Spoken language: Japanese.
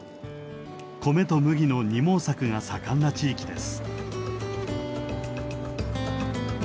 米と麦の二毛作が盛んな地域です。